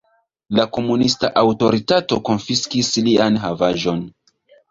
La komunista aŭtoritato konfiskis lian havaĵon.